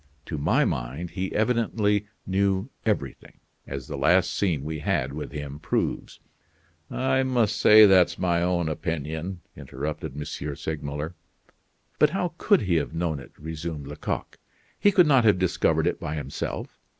To my mind he evidently knew everything, as the last scene we had with him proves." "I must say that's my own opinion," interrupted M. Segmuller. "But how could he have known it?" resumed Lecoq. "He could not have discovered it by himself.